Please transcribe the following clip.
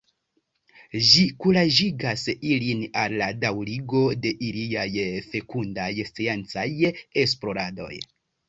Ĝi kuraĝigas ilin al la daŭrigo de iliaj fekundaj sciencaj esploradoj.